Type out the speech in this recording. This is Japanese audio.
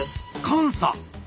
監査？